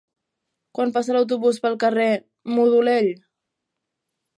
Quan passa l'autobús pel carrer Modolell?